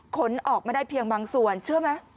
ขนออกมาได้เพียงบางส่วนเชื่อไหม